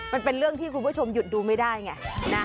มันเป็นเรื่องที่คุณผู้ชมหยุดดูไม่ได้ไง